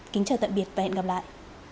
kính chào tạm biệt và hẹn gặp lại